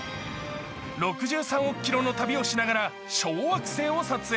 ６３億キロの旅をしながら小惑星を撮影。